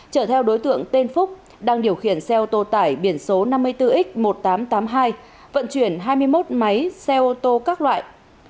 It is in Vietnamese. chở theo đối tượng tên phúc đang điều khiển xe ô tô tải biển số năm mươi bốn x một nghìn tám trăm tám mươi hai vận chuyển hai mươi một máy xe ô tô các loại